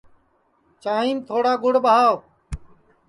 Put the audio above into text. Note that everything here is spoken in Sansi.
چانٚھیم تھوڑا گُڑ ٻاہوَ